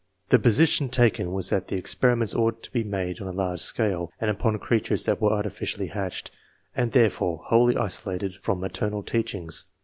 The position taken was that the experiments ought to be made on a large scale, and upon creatures that were artificially hatched, and therefore wholly isolated from maternal teachings.